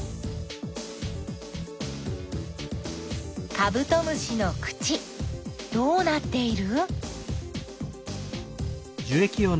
カブトムシの口どうなっている？